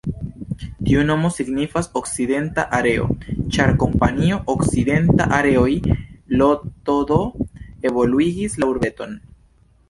Tiu nomo signifas: 'okcidenta areo', ĉar kompanio "Okcidenta Areoj Ltd" evoluigis la urbeton.